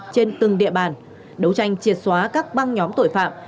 trên từng địa bàn đấu tranh triệt xóa các băng nhóm tội phạm